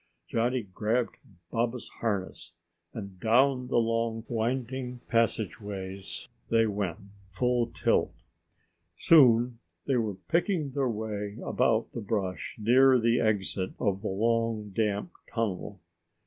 Johnny grabbed Baba's harness, and down the long winding passageways they went, full tilt. Soon they were picking their way about the brush near the exit of the long, damp tunnel.